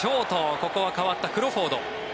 ここは代わったクロフォード。